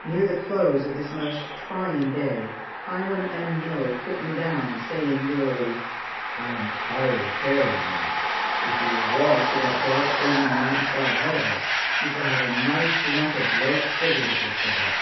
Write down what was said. Near the close of this most trying day, Hiram M. Miller put me down, saying wearily, "I am tired of carrying you. If you will walk to that dark thing on the mountain side ahead of us, you shall have a nice lump of loaf sugar with your supper."